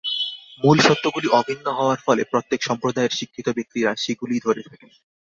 মূল সত্যগুলি অভিন্ন হওয়ার ফলে প্রত্যেক সম্প্রদায়ের শিক্ষিত ব্যক্তিরা সেগুলিই ধরে থাকেন।